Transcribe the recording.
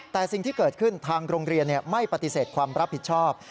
แต่สิ่งที่เกิดขึ้นทางโรงเรียนไม่ปฏิเสธความรับผิดชอบ